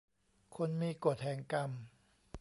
คนมีกฎแห่งกรรม